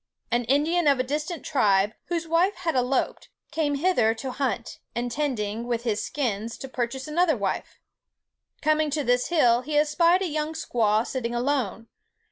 An Indian of a distant tribe, whose wife had eloped, came hither to hunt, intending, with his skins, to purchase another wife. Coming to this hill, he espied a young squaw, sitting alone.